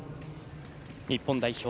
日本代表